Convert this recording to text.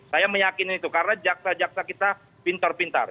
saya meyakin itu karena jaksa jaksa kita pintar pintar